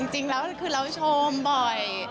จริงแล้วคือเราชมบ่อย